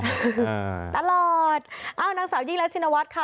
อ่าตลอดอ้าวนางสาวยิงและชินวัฒน์ค่ะ